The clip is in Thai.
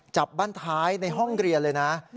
จับบ้านท้ายในห้องเรียนเลยนะ